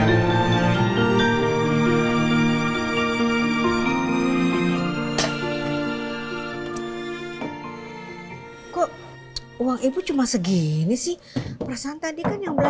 nah si kipas tak bersikap translated job juga